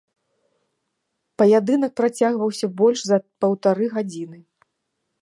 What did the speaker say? Паядынак працягваўся больш за паўтары гадзіны.